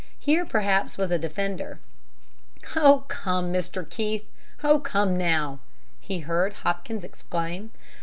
Here perhaps was a defender. "Oh, come, Mr. Keith! Oh, come now!" he heard Hopkins exclaim.